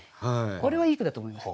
これはいい句だと思いました。